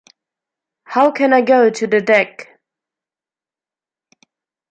How can I go to the deck?